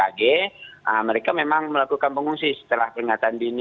jadi mereka memang melakukan pengungsi setelah peringatan dini